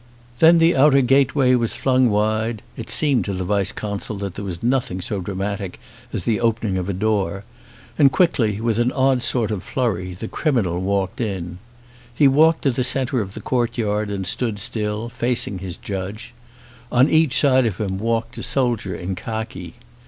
Then the outer gateway was flung wide (it seemed to the vice consul that there was nothing so dramatic as the opening of a door) and quickly, with an odd sort of flurry, the criminal walked in. He walked to the centre of the courtyard and stood still, fac ing his judge. On each side of him walked a soldier in khaki.